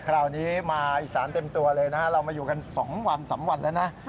คราวนี้มาอีสานเต็มตัวเลยนะฮะเรามาอยู่กัน๒วัน๓วันแล้วนะ